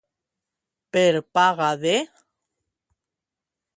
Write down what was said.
Per paga de.